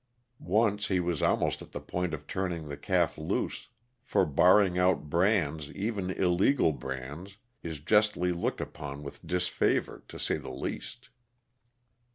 Once he was almost at the point of turning the calf loose; for barring out brands, even illegal brands, is justly looked upon with disfavor, to say the least.